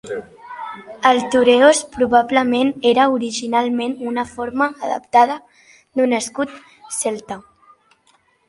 El "thureos" probablement era originalment una forma adaptada d'un escut celta.